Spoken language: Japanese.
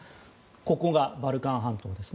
ここがバルカン半島です。